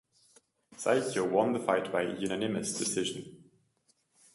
Saikyo won the fight by unanimous decision.